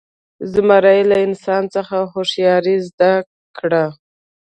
زمري له انسان څخه هوښیاري زده کړه.